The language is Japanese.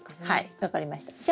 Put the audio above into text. はい分かりました。